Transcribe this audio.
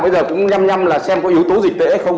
bây giờ cũng nhăm nhăm là xem có yếu tố dịch tễ hay không